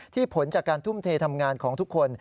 ผลจากการทุ่มเททำงานของทุกคน